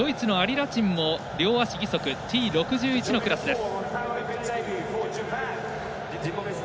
ラチンも両足義足Ｔ６１のクラスです。